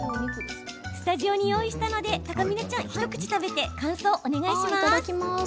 スタジオに用意したのでたかみなちゃん、ひとくち食べて感想をお願いします！